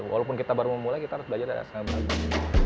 walaupun kita baru memulai kita harus belajar dari asn lagi